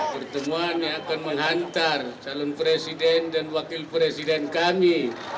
pertemuan yang akan menghantar calon presiden dan wakil presiden kami